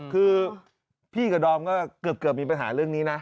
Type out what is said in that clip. คือพี่กับดอมก็เกือบมีปัญหาเรื่องนี้นะ